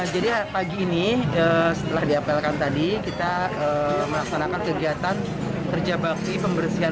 jadi pagi ini setelah diapelkan tadi kita melaksanakan kegiatan terjabati pembersihan